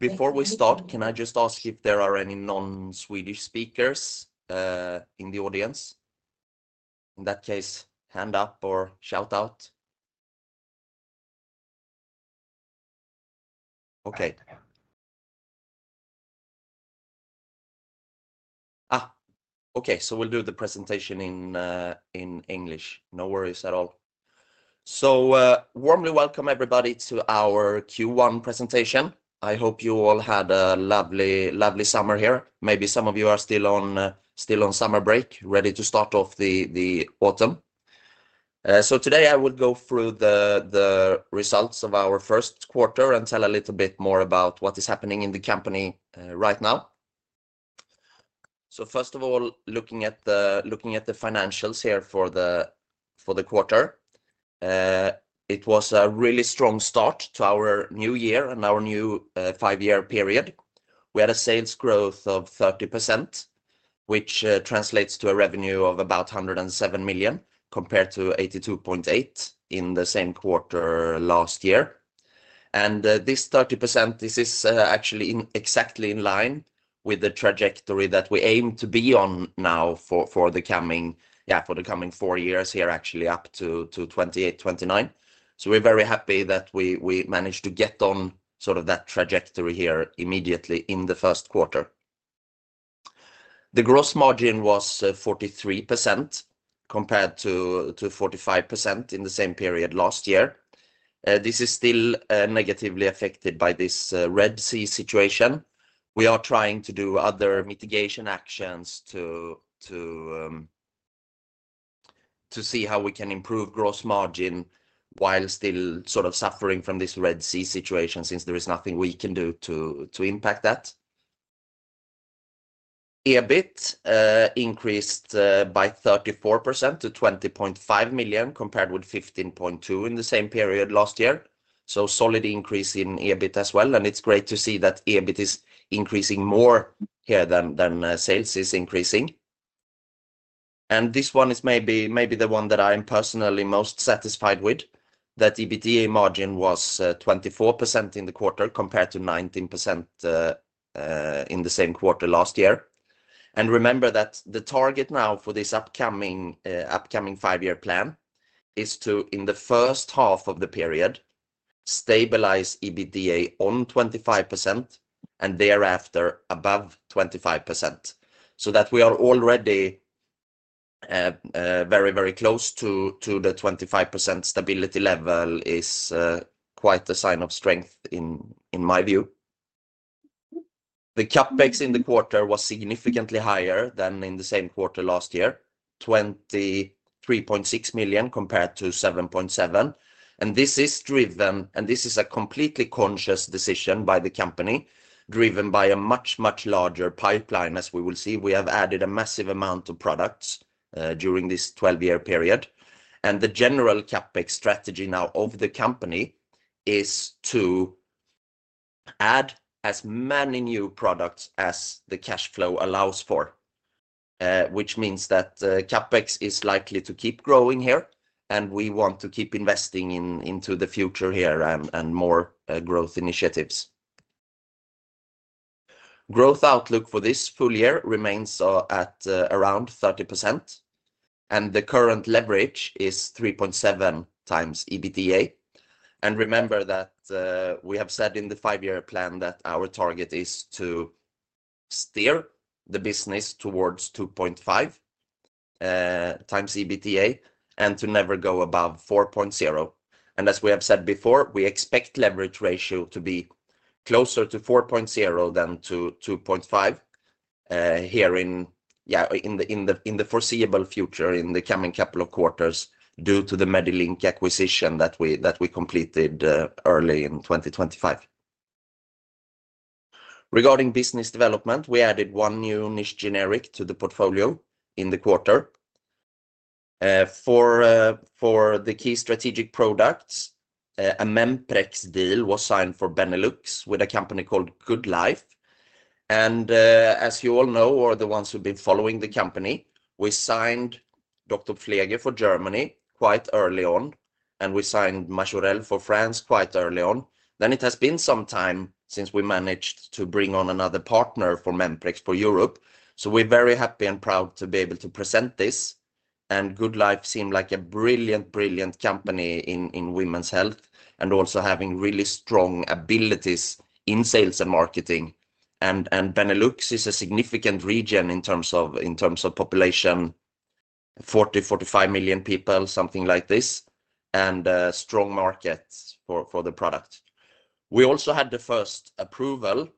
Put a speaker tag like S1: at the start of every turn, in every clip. S1: Before we start, can I just ask if there are any non-Swedish speakers in the audience? In that case, hand up or shout out. Okay, so we'll do the presentation in English. No worries at all. Warmly welcome everybody to our Q1 presentation. I hope you all had a lovely, lovely summer here. Maybe some of you are still on summer break, ready to start off the autumn. Today I will go through the results of our first quarter and tell a little bit more about what is happening in the company right now. First of all, looking at the financials here for the quarter, it was a really strong start to our new year and our new five-year period. We had a sales growth of 30%, which translates to a revenue of about 107 million compared to 82.8 million in the same quarter last year. This 30% is actually exactly in line with the trajectory that we aim to be on now for the coming four years here, actually up to 2028, 2029. We're very happy that we managed to get on sort of that trajectory here immediately in the first quarter. The gross margin was 43% compared to 45% in the same period last year. This is still negatively affected by this Red Sea situation. We are trying to do other mitigation actions to see how we can improve gross margin while still sort of suffering from this Red Sea situation since there is nothing we can do to impact that. EBIT increased by 34% to 20.5 million compared with 15.2 million in the same period last year. Solid increase in EBIT as well. It's great to see that EBIT is increasing more here than sales is increasing. This one is maybe the one that I'm personally most satisfied with, that EBITDA margin was 24% in the quarter compared to 19% in the same quarter last year. Remember that the target now for this upcoming five-year plan is to, in the first half of the period, stabilize EBITDA on 25% and thereafter above 25%. That we are already very, very close to the 25% stability level is quite a sign of strength in my view. The capital expenditure in the quarter was significantly higher than in the same quarter last year, 23.6 million compared to 7.7 million. This is a completely conscious decision by the company, driven by a much, much larger pipeline, as we will see. We have added a massive amount of products during this 12-year period. The general CapEx strategy now of the company is to add as many new products as the cash flow allows for, which means that capital expenditure is likely to keep growing here. We want to keep investing into the future here and more growth initiatives. Growth outlook for this full year remains at around 30%, and the current leverage is 3.7x EBITDA. Remember that we have said in the five-year plan that our target is to steer the business towards 2.5x EBITDA and to never go above 4.0x. As we have said before, we expect leverage ratio to be closer to 4.0x than to 2.5x here in the foreseeable future in the coming couple of quarters due to the Medilink acquisition that we completed early in 2025. Regarding business development, we added one new niche generic to the portfolio in the quarter. For the key strategic products, a Memprex deal was signed for BeNeLux with a company called Goodlife Specialty BV. As you all know, or the ones who have been following the company, we signed Dr. Pfleger for Germany quite early on, and we signed Majorelle for France quite early on. It has been some time since we managed to bring on another partner for Memprex for Europe. We are very happy and proud to be able to present this. Goodlife seemed like a brilliant, brilliant company in women's health and also having really strong abilities in sales and marketing. BeNeLux is a significant region in terms of population, 40 million, 45 million people, something like this, and a strong market for the product. We also had the first approval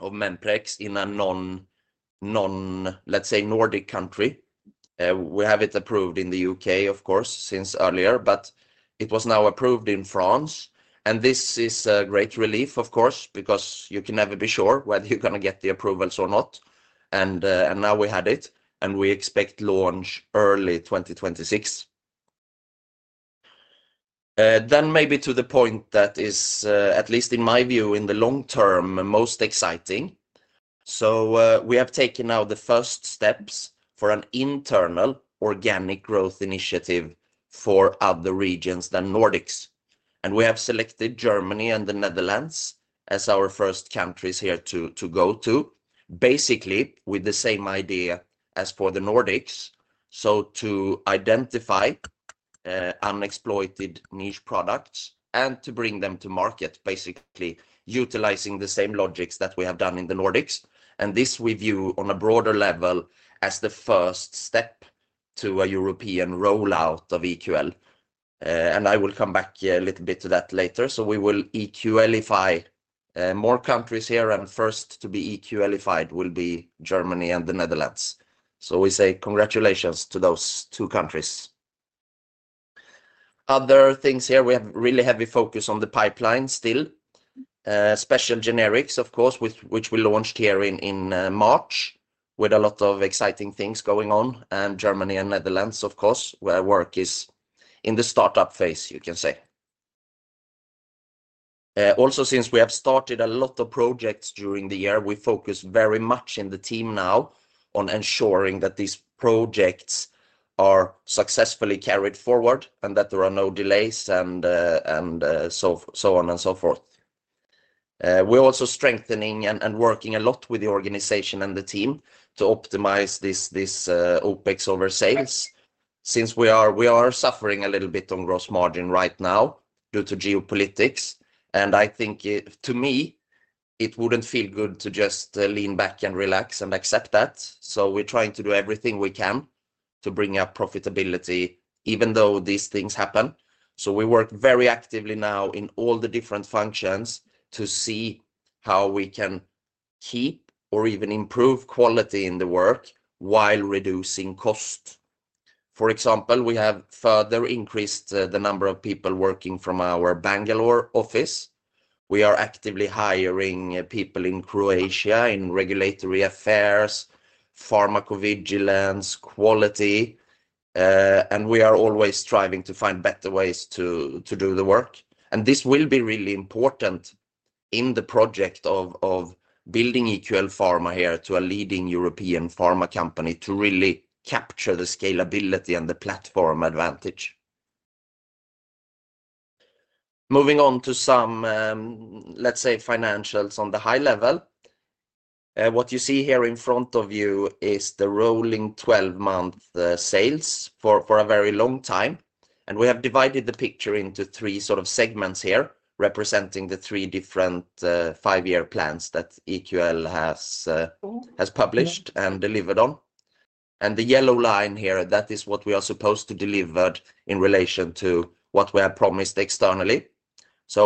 S1: of Memprex in a non, let's say, Nordic country. We have it approved in the U.K., of course, since earlier, but it was now approved in France. This is a great relief, of course, because you can never be sure whether you're going to get the approvals or not. Now we had it, and we expect launch early 2026. Maybe to the point that is, at least in my view, in the long term, most exciting. We have taken now the first steps for an internal organic growth initiative for other regions than Nordics. We have selected Germany and the Netherlands as our first countries here to go to, basically with the same idea as for the Nordics, to identify unexploited niche products and to bring them to market, basically utilizing the same logics that we have done in the Nordics. We view this on a broader level as the first step to a European rollout of EQL. I will come back a little bit to that later. We will EQL-ify more countries here, and first to be EQL-ified will be Germany and the Netherlands. We say congratulations to those two countries. Other things here, we have a really heavy focus on the pipeline still, Special Generics, of course, which we launched here in March with a lot of exciting things going on. Germany and the Netherlands, of course, where work is in the startup phase, you can say. Also, since we have started a lot of projects during the year, we focus very much in the team now on ensuring that these projects are successfully carried forward and that there are no delays and so on and so forth. We are also strengthening and working a lot with the organization and the team to optimize this OpEx over sales since we are suffering a little bit on gross margin right now due to geopolitics. I think to me, it wouldn't feel good to just lean back and relax and accept that. We are trying to do everything we can to bring up profitability, even though these things happen. We work very actively now in all the different functions to see how we can keep or even improve quality in the work while reducing costs. For example, we have further increased the number of people working from our Bangalore office. We are actively hiring people in Croatia in regulatory affairs, pharmacovigilance, quality, and we are always striving to find better ways to do the work. This will be really important in the project of building EQL Pharma here to a leading European pharma company to really capture the scalability and the platform advantage. Moving on to some, let's say, financials on the high level. What you see here in front of you is the rolling 12-month sales for a very long time. We have divided the picture into three sort of segments here, representing the three different five-year plans that EQL has published and delivered on. The yellow line here, that is what we are supposed to deliver in relation to what we have promised externally.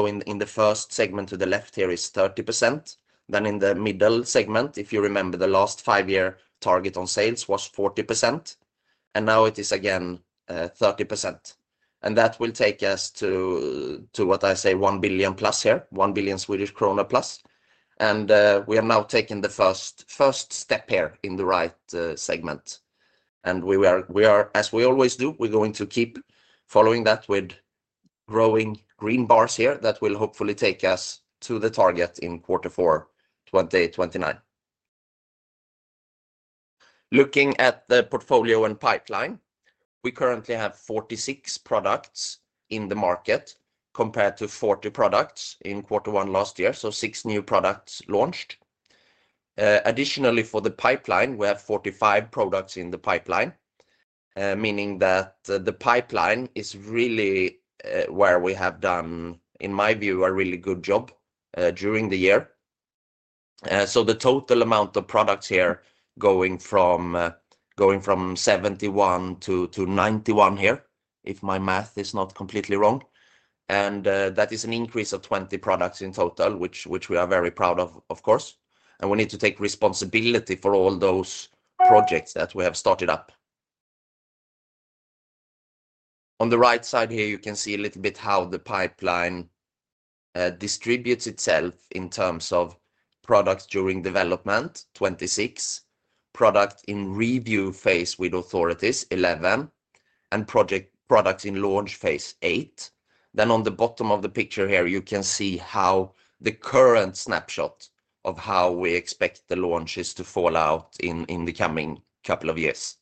S1: In the first segment to the left here is 30%. Then in the middle segment, if you remember, the last five-year target on sales was 40%. Now it is again 30%. That will take us to what I say, 1+ billion here, 1+ billion Swedish krona. We have now taken the first step here in the right segment. We are, as we always do, going to keep following that with growing green bars here that will hopefully take us to the target in quarter four, what day, 2029. Looking at the portfolio and pipeline, we currently have 46 products in the market compared to 40 products in quarter one last year. Six new products launched. Additionally, for the pipeline, we have 45 products in the pipeline, meaning that the pipeline is really where we have done, in my view, a really good job during the year. The total amount of products here going from 71-91 here, if my math is not completely wrong. That is an increase of 20 products in total, which we are very proud of, of course. We need to take responsibility for all those projects that we have started up. On the right side here, you can see a little bit how the pipeline distributes itself in terms of products during development, 26, products in review phase with authorities, 11, and products in launch phase, eight. On the bottom of the picture here, you can see the current snapshot of how we expect the launches to fall out in the coming couple of years.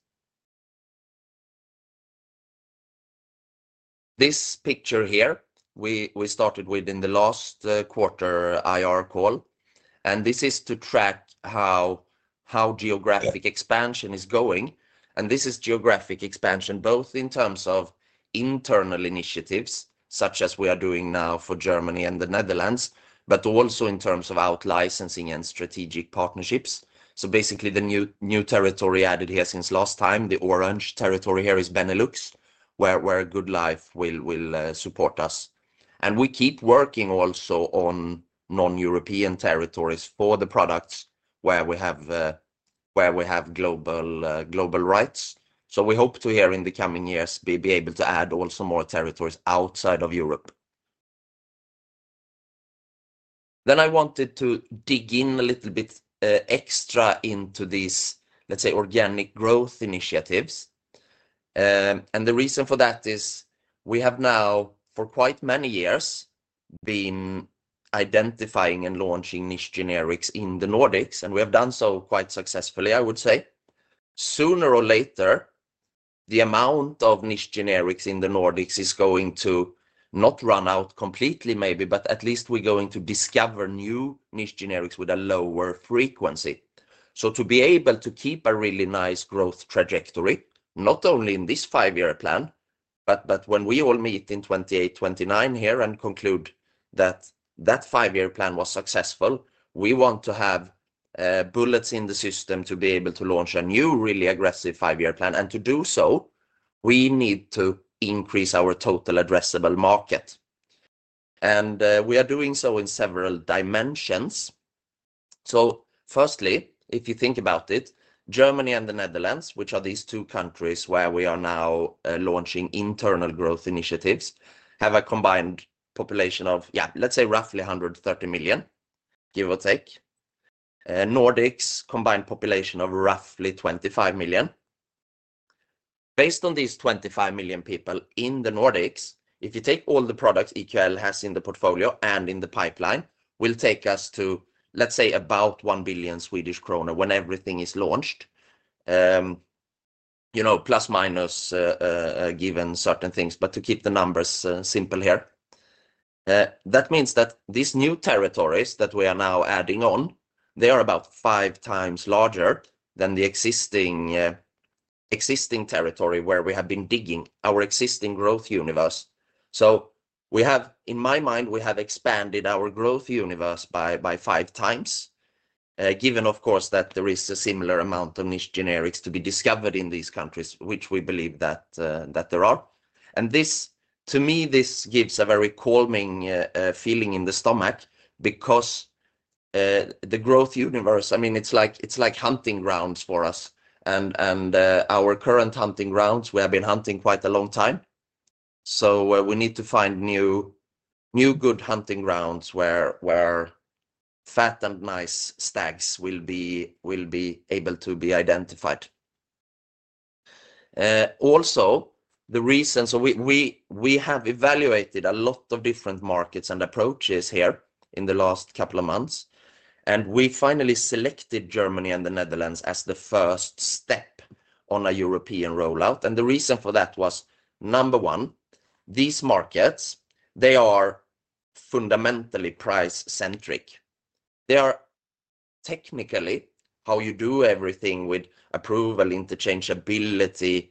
S1: This picture here, we started with in the last quarter IR call. This is to track how geographic expansion is going. This is geographic expansion both in terms of internal initiatives, such as we are doing now for Germany and the Netherlands, but also in terms of out-licensing and strategic partnerships. Basically, the new territory added here since last time, the orange territory here is BeNeLux, where Goodlife will support us. We keep working also on non-European territories for the products where we have global rights. We hope to, here in the coming years, be able to add also more territories outside of Europe. I wanted to dig in a little bit extra into these, let's say, organic growth initiatives. The reason for that is we have now, for quite many years, been identifying and launching niche generics in the Nordics, and we have done so quite successfully, I would say. Sooner or later, the amount of niche generics in the Nordics is going to not run out completely, maybe, but at least we're going to discover new niche generics with a lower frequency. To be able to keep a really nice growth trajectory, not only in this five-year plan, but when we all meet in 2028, 2029 here and conclude that that five-year plan was successful, we want to have bullets in the system to be able to launch a new, really aggressive five-year plan. To do so, we need to increase our total addressable market. We are doing so in several dimensions. Firstly, if you think about it, Germany and the Netherlands, which are these two countries where we are now launching internal growth initiatives, have a combined population of, yeah, let's say roughly 130 million, give or take. Nordics, combined population of roughly 25 million. Based on these 25 million people in the Nordics, if you take all the products EQL has in the portfolio and in the pipeline, will take us to, let's say, about 1 billion Swedish kronor when everything is launched, you know, plus minus, given certain things, but to keep the numbers simple here. That means that these new territories that we are now adding on, they are about five times larger than the existing territory where we have been digging our existing growth universe. In my mind, we have expanded our growth universe by 5x, given, of course, that there is a similar amount of niche generics to be discovered in these countries, which we believe that there are. This, to me, gives a very calming feeling in the stomach because the growth universe, I mean, it's like hunting grounds for us. Our current hunting grounds, we have been hunting quite a long time. We need to find new, new good hunting grounds where fat and nice stags will be able to be identified. Also, the reason, we have evaluated a lot of different markets and approaches here in the last couple of months. We finally selected Germany and the Netherlands as the first step on a European rollout. The reason for that was, number one, these markets, they are fundamentally price-centric. They are technically how you do everything with approval, interchangeability,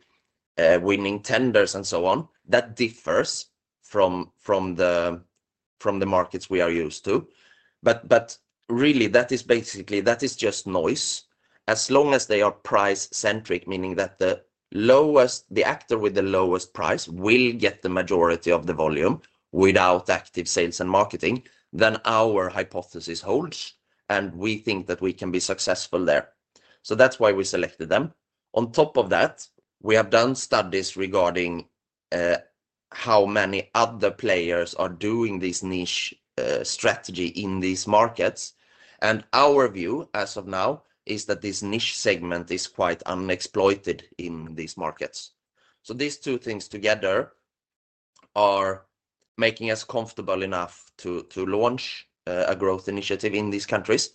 S1: winning tenders, and so on. That differs from the markets we are used to. Really, that is basically, that is just noise. As long as they are price-centric, meaning that the actor with the lowest price will get the majority of the volume without active sales and marketing, then our hypothesis holds, and we think that we can be successful there. That's why we selected them. On top of that, we have done studies regarding how many other players are doing this niche strategy in these markets. Our view, as of now, is that this niche segment is quite unexploited in these markets. These two things together are making us comfortable enough to launch a growth initiative in these countries.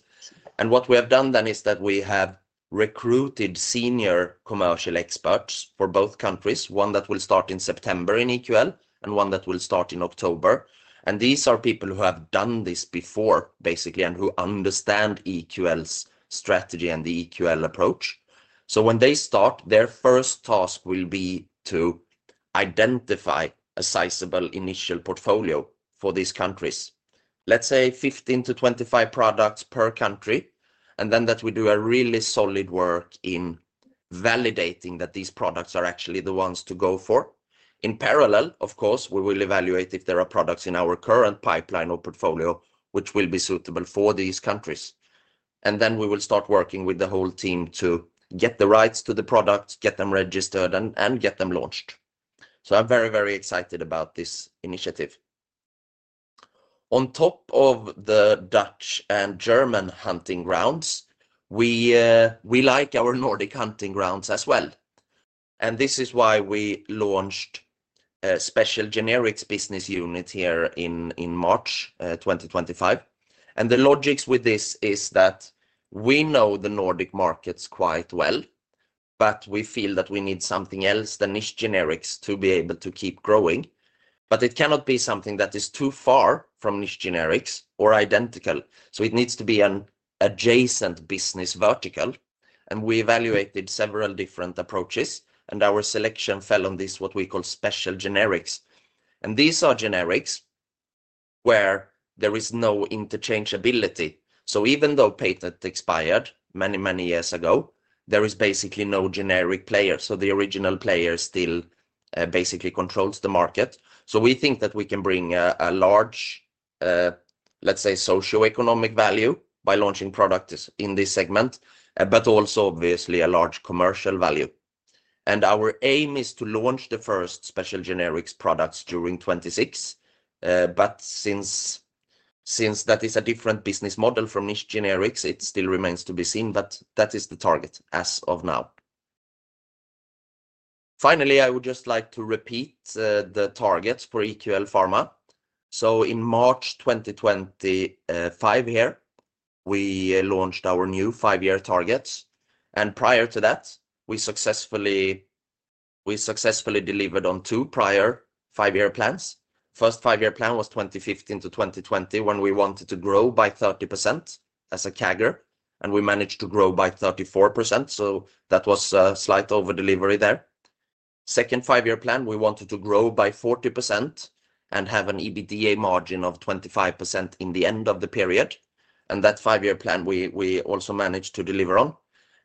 S1: What we have done then is that we have recruited senior commercial experts for both countries, one that will start in September in EQL and one that will start in October. These are people who have done this before, basically, and who understand EQL's strategy and the EQL approach. When they start, their first task will be to identify a sizable initial portfolio for these countries. Let's say 15-25 products per country, and then that we do a really solid work in validating that these products are actually the ones to go for. In parallel, of course, we will evaluate if there are products in our current pipeline or portfolio which will be suitable for these countries. We will start working with the whole team to get the rights to the products, get them registered, and get them launched. I'm very, very excited about this initiative. On top of the Dutch and German hunting grounds, we like our Nordic hunting grounds as well. This is why we launched a Special Generics business unit here in March 2025. The logics with this is that we know the Nordic markets quite well, but we feel that we need something else than niche generics to be able to keep growing. It cannot be something that is too far from niche generics or identical. It needs to be an adjacent business vertical. We evaluated several different approaches, and our selection fell on this, what we call Special Generics. These are generics where there is no interchangeability. Even though patent expired many, many years ago, there is basically no generic player. The original player still basically controls the market. We think that we can bring a large, let's say, socioeconomic value by launching products in this segment, but also obviously a large commercial value. Our aim is to launch the first Special Generics products during 2026. Since that is a different business model from niche generics, it still remains to be seen, but that is the target as of now. Finally, I would just like to repeat the targets for EQL Pharma. In March 2025 here, we launched our new five-year targets. Prior to that, we successfully delivered on two prior five-year plans. First five-year plan was 2015 to 2020 when we wanted to grow by 30% as a CAGR, and we managed to grow by 34%. That was a slight over-delivery there. Second five-year plan, we wanted to grow by 40% and have an EBITDA margin of 25% in the end of the period. That five-year plan we also managed to deliver on.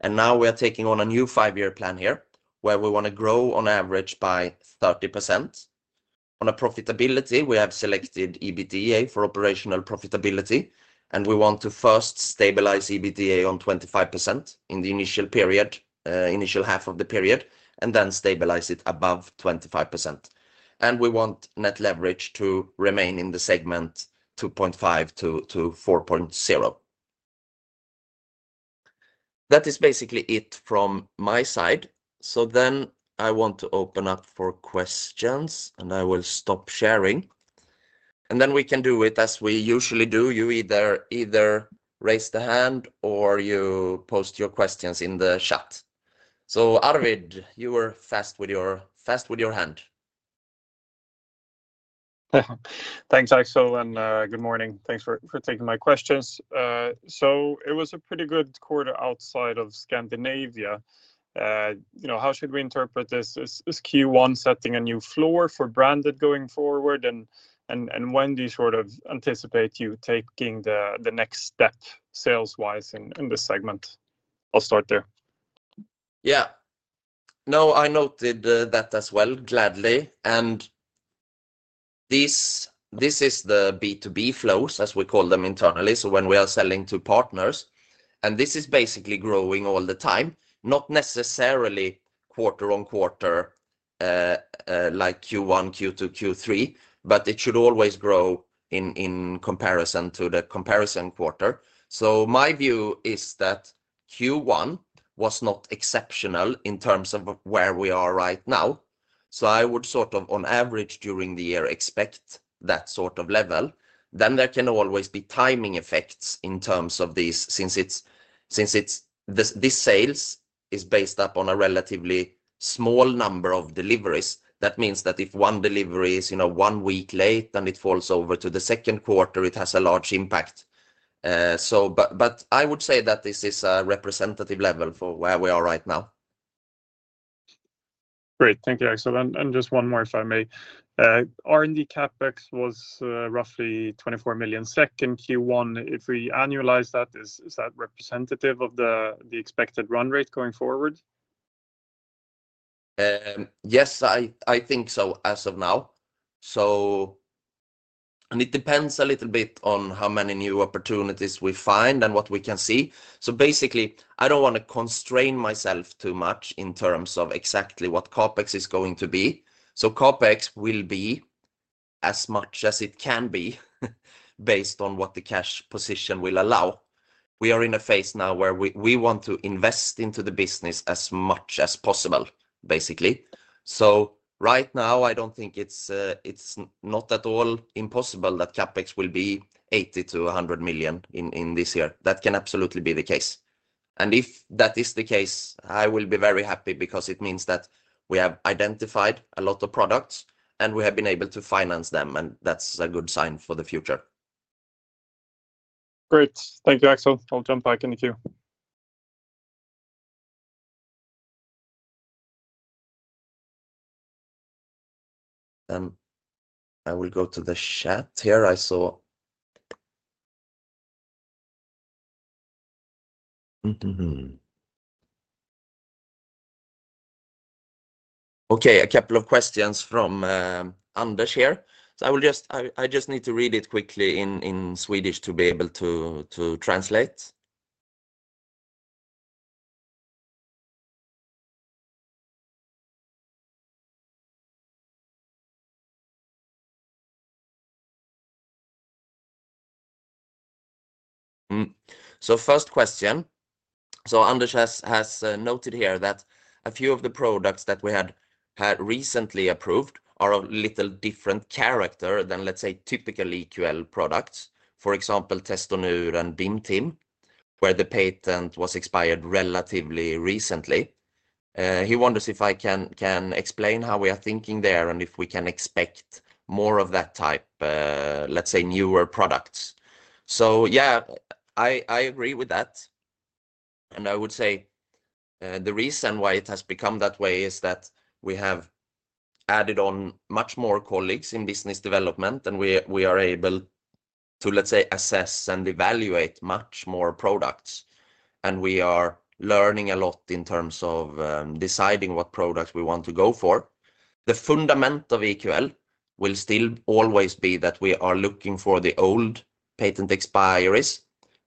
S1: Now we are taking on a new five-year plan here where we want to grow on average by 30%. On profitability, we have selected EBITDA for operational profitability, and we want to first stabilize EBITDA on 25% in the initial period, initial half of the period, and then stabilize it above 25%. We want net leverage to remain in the segment 2.5x-4.0x. That is basically it from my side. I want to open up for questions, and I will stop sharing. We can do it as we usually do. You either raise the hand or you post your questions in the chat. Arvid, you were fast with your hand.
S2: Thanks, Axel, and good morning. Thanks for taking my questions. It was a pretty good quarter outside of Scandinavia. How should we interpret this? Is Q1 setting a new floor for branded going forward? When do you sort of anticipate you taking the next step sales-wise in this segment? I'll start there.
S1: Yeah. No, I noted that as well, gladly. This is the B2B flows, as we call them internally. When we are selling to partners, this is basically growing all the time, not necessarily quarter on quarter like Q1, Q2, Q3, but it should always grow in comparison to the comparison quarter. My view is that Q1 was not exceptional in terms of where we are right now. I would, on average during the year, expect that sort of level. There can always be timing effects in terms of these, since this sales is based upon a relatively small number of deliveries. That means that if one delivery is one week late and it falls over to the second quarter, it has a large impact. I would say that this is a representative level for where we are right now.
S2: Great. Thank you, Axel. Just one more, if I may. R&D CapEx was roughly 24 million SEK. Second Q1, if we annualize that, is that representative of the expected run rate going forward?
S1: Yes, I think so as of now. It depends a little bit on how many new opportunities we find and what we can see. Basically, I don't want to constrain myself too much in terms of exactly what CapEx is going to be. CapEx will be as much as it can be based on what the cash position will allow. We are in a phase now where we want to invest into the business as much as possible, basically. Right now, I don't think it's not at all impossible that CapEx will be $80 million-$100 million in this year. That can absolutely be the case. If that is the case, I will be very happy because it means that we have identified a lot of products and we have been able to finance them. That's a good sign for the future.
S2: Great. Thank you, Axel. I'll jump back in a few.
S1: I will go to the chat here. I saw a couple of questions from Anders here. I just need to read it quickly in Swedish to be able to translate. First question. (Anders) has noted that a few of the products that we had recently approved are of a little different character than, let's say, typical EQL products. For example, Testonur and Bimtim, where the patent was expired relatively recently. He wonders if I can explain how we are thinking there and if we can expect more of that type, let's say, newer products. I agree with that. I would say the reason why it has become that way is that we have added on much more colleagues in business development and we are able to assess and evaluate much more products. We are learning a lot in terms of deciding what products we want to go for. The fundament of EQL will still always be that we are looking for the old patent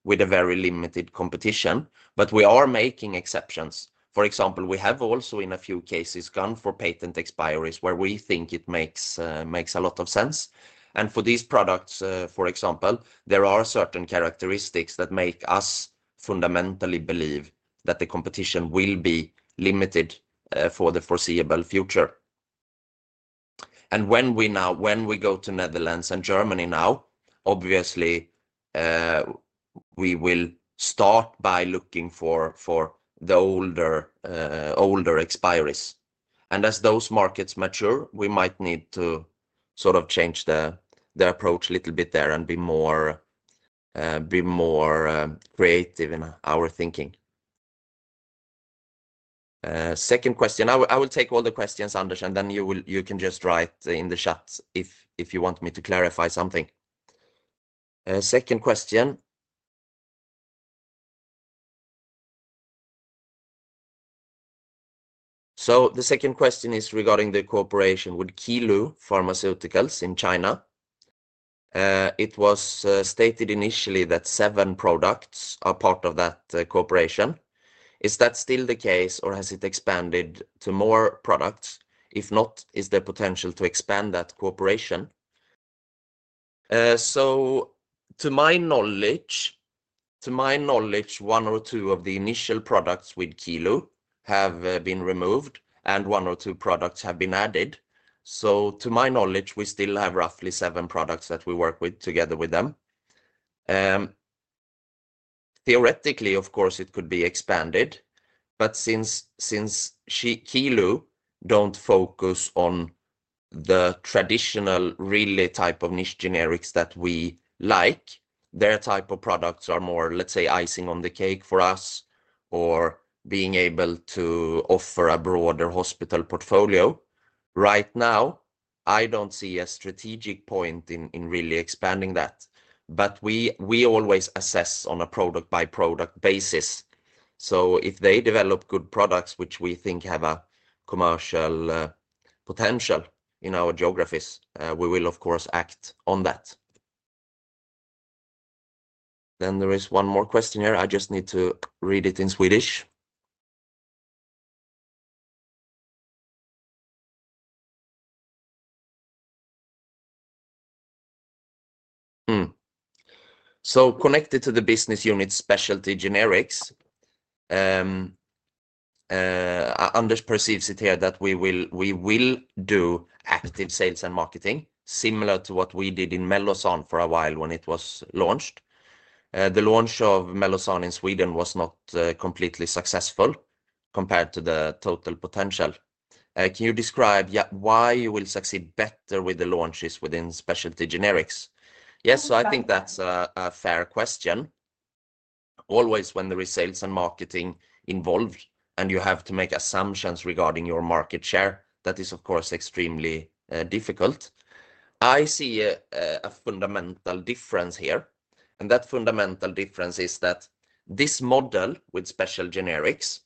S1: expiry with very limited competition, but we are making exceptions. For example, we have also, in a few cases, gone for patent expiry where we think it makes a lot of sense. For these products, for example, there are certain characteristics that make us fundamentally believe that the competition will be limited for the foreseeable future. When we go to Netherlands and Germany now, obviously, we will start by looking for the older expiry. As those markets mature, we might need to sort of change the approach a little bit there and be more creative in our thinking. Second question. I will take all the questions, Anders, and then you can just write in the chat if you want me to clarify something. The second question is regarding the cooperation with Qilu Pharmaceuticals in China. It was stated initially that seven products are part of that cooperation. Is that still the case, or has it expanded to more products? If not, is there potential to expand that cooperation? To my knowledge, one or two of the initial products with Qilu have been removed, and one or two products have been added. To my knowledge, we still have roughly seven products that we work with together with them. Theoretically, of course, it could be expanded, but since Qilu doesn't focus on the traditional, really, type of niche generics that we like, their type of products are more, let's say, icing on the cake for us or being able to offer a broader hospital portfolio. Right now, I don't see a strategic point in really expanding that, but we always assess on a product-by-product basis. If they develop good products, which we think have a commercial potential in our geographies, we will, of course, act on that. There is one more question here. I just need to read it in Swedish. Connected to the business unit Specialty Generics, Anders perceives it here that we will do active sales and marketing, similar to what we did in Mellozzan for a while when it was launched. The launch of Mellozzan in Sweden was not completely successful compared to the total potential. Can you describe why you will succeed better with the launches within specialty generics? Yes, I think that's a fair question. Always when there is sales and marketing involved, and you have to make assumptions regarding your market share, that is, of course, extremely difficult. I see a fundamental difference here, and that fundamental difference is that this model with Special Generics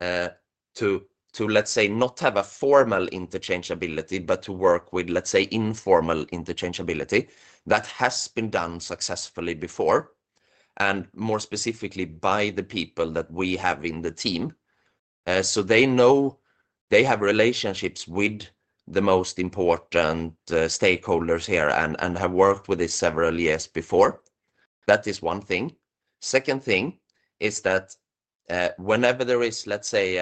S1: to, let's say, not have a formal interchangeability, but to work with, let's say, informal interchangeability, that has been done successfully before, and more specifically by the people that we have in the team. They know they have relationships with the most important stakeholders here and have worked with this several years before. That is one thing. Second thing is that whenever there is, let's say,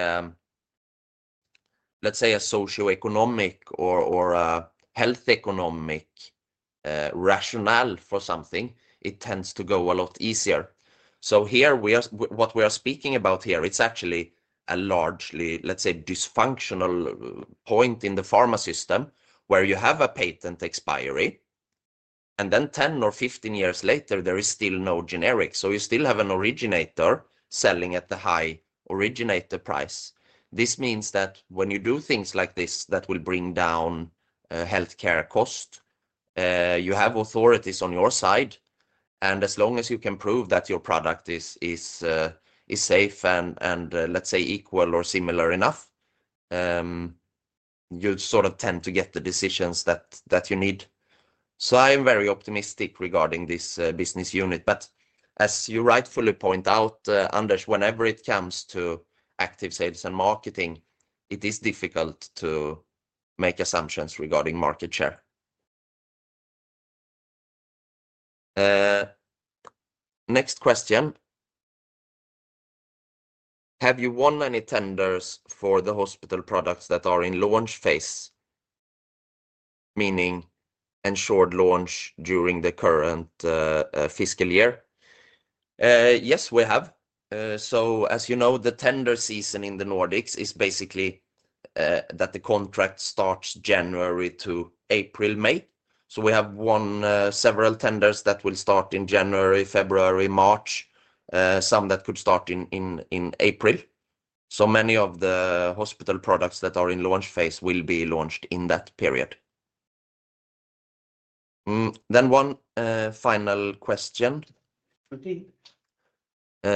S1: a socioeconomic or a health economic rationale for something, it tends to go a lot easier. What we are speaking about here, it's actually a largely, let's say, dysfunctional point in the pharma system where you have a patent expiry, and then 10 years or 15 years later, there is still no generic. You still have an originator selling at the high originator price. This means that when you do things like this, that will bring down healthcare cost. You have authorities on your side, and as long as you can prove that your product is safe and, let's say, equal or similar enough, you sort of tend to get the decisions that you need. I am very optimistic regarding this business unit. As you rightfully point out, Anders, whenever it comes to active sales and marketing, it is difficult to make assumptions regarding market share. Next question. Have you won any tenders for the hospital products that are in launch phase, meaning ensured launch during the current fiscal year? Yes, we have. As you know, the tender season in the Nordics is basically that the contract starts January to April, May. We have several tenders that will start in January, February, March, some that could start in April. Many of the hospital products that are in launch phase will be launched in that period. One final question. I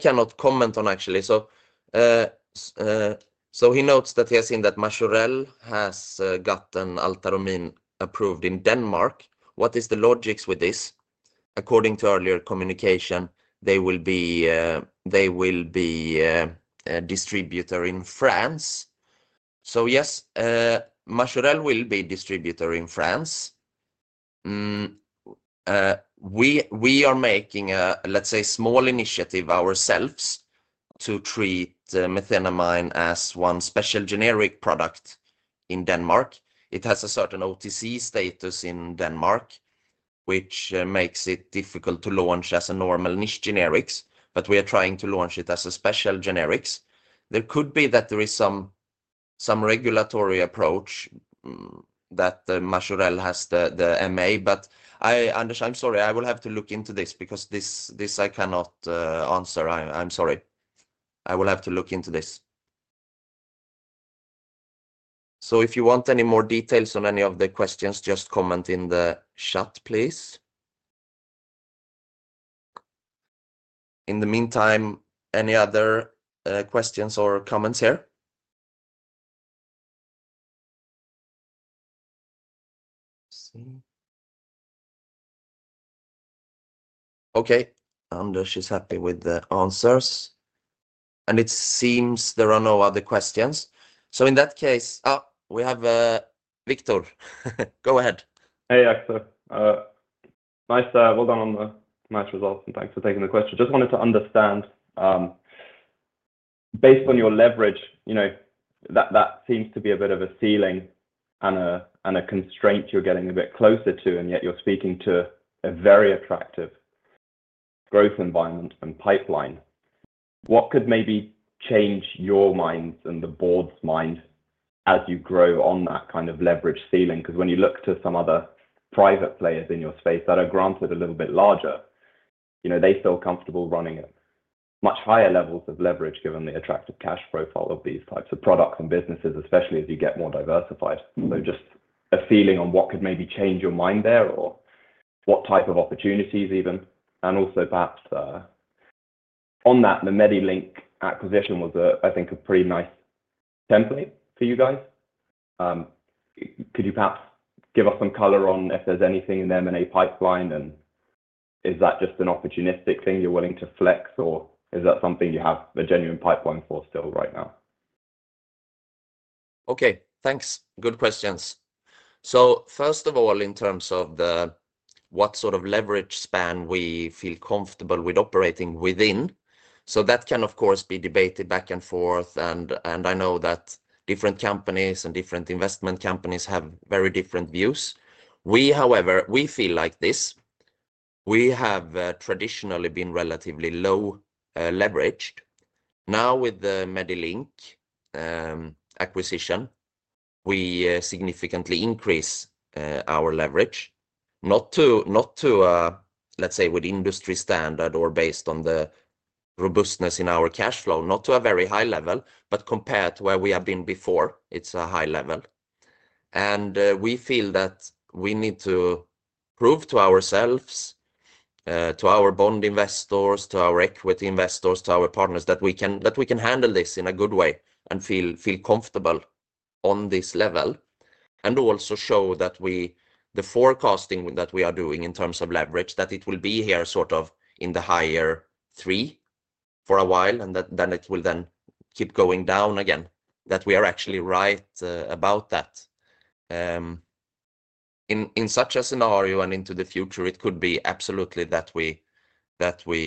S1: cannot comment on this, actually. He notes that he has seen that Majorelle has gotten Altaromin approved in Denmark. What is the logic with this? According to earlier communication, they will be a distributor in France. Yes, Majorelle will be a distributor in France. We are making a small initiative ourselves to treat methenamine as one Special Generic product in Denmark. It has a certain OTC status in Denmark, which makes it difficult to launch as a normal niche generics, but we are trying to launch it as a Special Generics. There could be that there is some regulatory approach that Majorelle has the MA, but I'm sorry, I will have to look into this because this I cannot answer. I'm sorry. I will have to look into this. If you want any more details on any of the questions, just comment in the chat, please. In the meantime, any other questions or comments here? Anders is happy with the answers. It seems there are no other questions. In that case, we have Viktor. Go ahead.
S3: Hey, Axel. Nice to hold on on the match results, and thanks for taking the question. Just wanted to understand, based on your leverage, you know that seems to be a bit of a ceiling and a constraint you're getting a bit closer to, and yet you're speaking to a very attractive growth environment and pipeline. What could maybe change your mind and the board's mind as you grow on that kind of leverage ceiling? Because when you look to some other private players in your space that are granted a little bit larger, you know they feel comfortable running at much higher levels of leverage given the attractive cash profile of these types of products and businesses, especially as you get more diversified. Just a feeling on what could maybe change your mind there or what type of opportunities even. Also perhaps on that, the Medilink acquisition was, I think, a pretty nice template for you guys. Could you perhaps give us some color on if there's anything in the M&A pipeline and is that just an opportunistic thing you're willing to flex or is that something you have a genuine pipeline for still right now?
S1: Okay, thanks. Good questions. First of all, in terms of what sort of leverage span we feel comfortable with operating within, that can, of course, be debated back and forth. I know that different companies and different investment companies have very different views. We, however, feel like this: we have traditionally been relatively low leveraged. Now, with the Medilink acquisition, we significantly increase our leverage. Not to, let's say, with industry standard or based on the robustness in our cash flow, not to a very high level, but compared to where we have been before, it's a high level. We feel that we need to prove to ourselves, to our bond investors, to our equity investors, to our partners that we can handle this in a good way and feel comfortable on this level. We also need to show that the forecasting that we are doing in terms of leverage, that it will be here sort of in the higher three for a while, and then it will keep going down again, that we are actually right about that. In such a scenario and into the future, it could be absolutely that we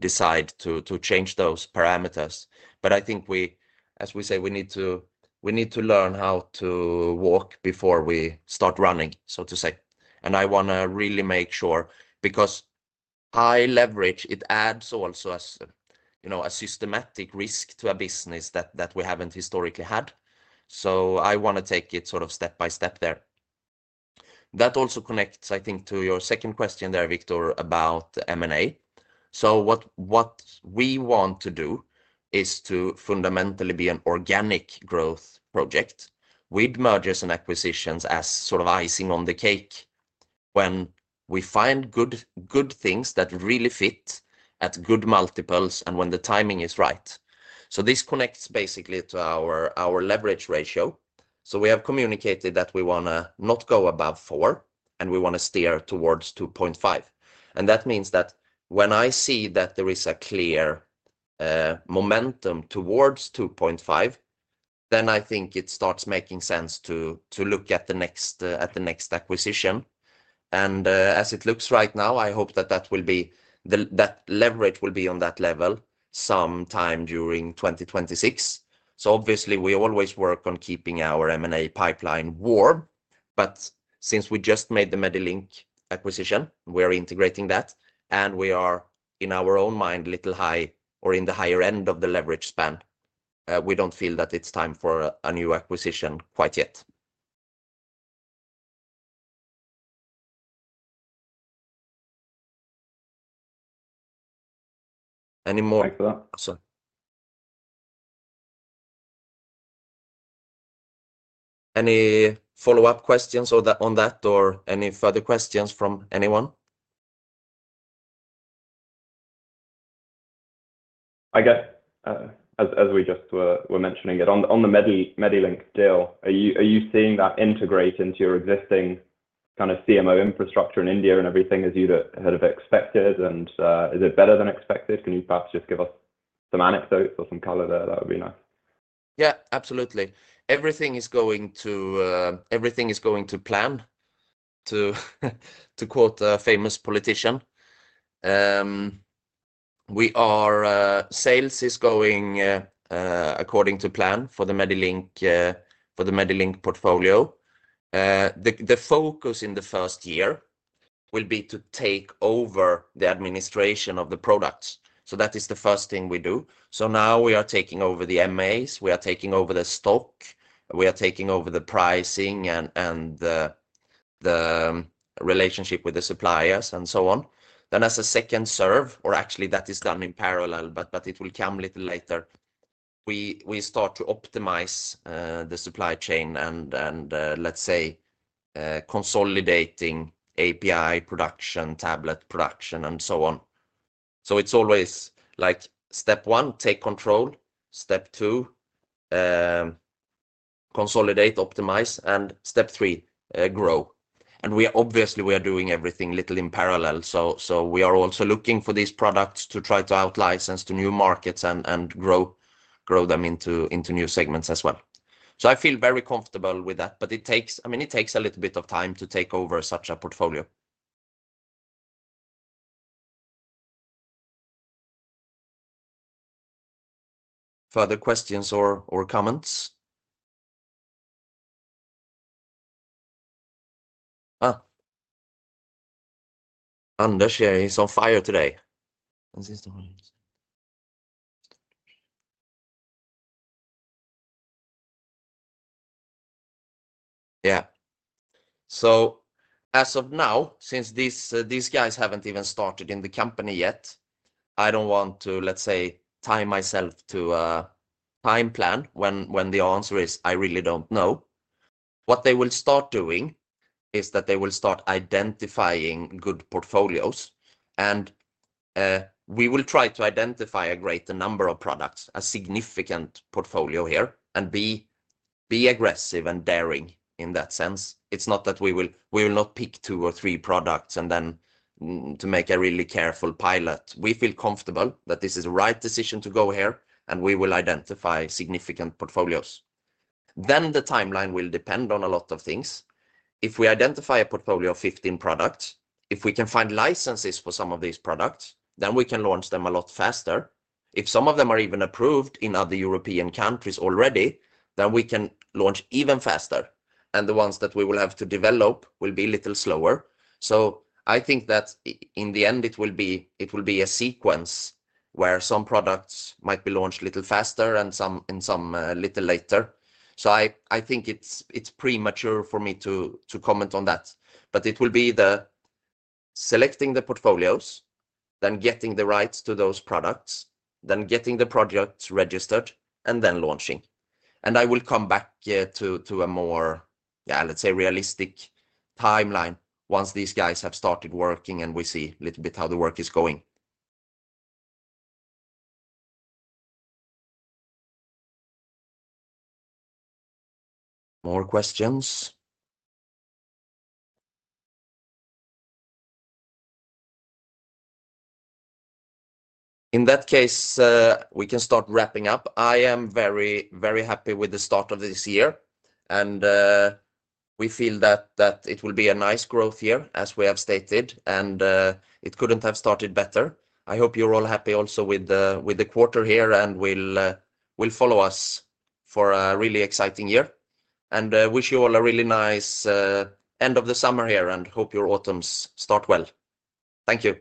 S1: decide to change those parameters. I think we, as we say, need to learn how to walk before we start running, so to say. I want to really make sure because high leverage adds also a systematic risk to a business that we haven't historically had. I want to take it sort of step by step there. That also connects, I think, to your second question there, Viktor, about M&A. What we want to do is to fundamentally be an organic growth project with mergers and acquisitions as sort of icing on the cake when we find good things that really fit at good multiples and when the timing is right. This connects basically to our leverage ratio. We have communicated that we want to not go above 4.0x, and we want to steer towards 2.5x. That means that when I see that there is a clear momentum towards 2.5x, then I think it starts making sense to look at the next acquisition. As it looks right now, I hope that leverage will be on that level sometime during 2026. Obviously, we always work on keeping our M&A pipeline warm. Since we just made the Medilink acquisition, we are integrating that, and we are in our own mind a little high or in the higher end of the leverage span. We don't feel that it's time for a new acquisition quite yet. Any more? Any follow-up questions on that or any further questions from anyone?
S3: As we just were mentioning it, on the Medilink deal, are you seeing that integrate into your existing kind of CMO infrastructure in India and everything as you'd have expected? Is it better than expected? Can you perhaps just give us some anecdotes or some color there? That would be nice.
S1: Yeah, absolutely. Everything is going to plan, to quote a famous politician. Sales, according to plan, for the Medilink portfolio. The focus in the first year will be to take over the administration of the products. That is the first thing we do. Now we are taking over the MAs, we are taking over the stock, we are taking over the pricing and the relationship with the suppliers and so on. As a second serve, or actually that is done in parallel, but it will come a little later, we start to optimize the supply chain and, let's say, consolidating API production, tablet production, and so on. It's always like step one, take control, step two, consolidate, optimize, and step three, grow. We are obviously doing everything a little in parallel. We are also looking for these products to try to out-license to new markets and grow them into new segments as well. I feel very comfortable with that, but it takes a little bit of time to take over such a portfolio. Further questions or comments? Anders here, he's on fire today. As of now, since these guys haven't even started in the company yet, I don't want to, let's say, tie myself to a time plan when the answer is I really don't know. What they will start doing is that they will start identifying good portfolios. We will try to identify a greater number of products, a significant portfolio here, and be aggressive and daring in that sense. It's not that we will not pick two or three products and then make a really careful pilot. We feel comfortable that this is the right decision to go here, and we will identify significant portfolios. The timeline will depend on a lot of things. If we identify a portfolio of 15 products, if we can find licenses for some of these products, then we can launch them a lot faster. If some of them are even approved in other European countries already, then we can launch even faster. The ones that we will have to develop will be a little slower. I think that in the end, it will be a sequence where some products might be launched a little faster and some a little later. I think it's premature for me to comment on that. It will be selecting the portfolios, then getting the rights to those products, then getting the projects registered, and then launching. I will come back to a more, let's say, realistic timeline once these guys have started working and we see a little bit how the work is going. More questions? In that case, we can start wrapping up. I am very, very happy with the start of this year, and we feel that it will be a nice growth year, as we have stated, and it couldn't have started better. I hope you're all happy also with the quarter here, and you'll follow us for a really exciting year. I wish you all a really nice end of the summer here, and hope your autumns start well. Thank you.